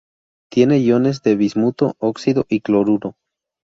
Tiene iones de bismuto, óxido y cloruro.